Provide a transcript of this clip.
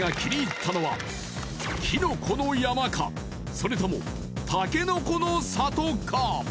それともたけのこの里か？